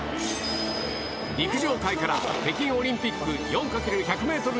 陸上界から北京オリンピック４×１００メートル